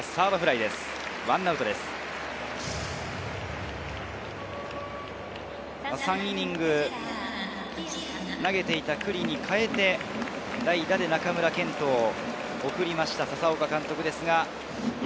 ３イニング投げていた九里に代えて、代打で中村健人を送りました、佐々岡監督です。